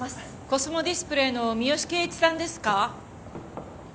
コスモディスプレイの三好圭一さんですか？